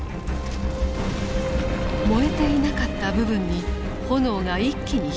燃えていなかった部分に炎が一気に広がった。